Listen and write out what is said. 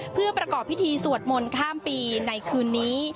เพื่อประกอบพิธีสวดมนต์ข้ามปีในคืนนี้